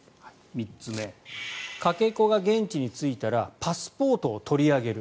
３つ目、かけ子が現地に着いたらパスポートを取り上げる。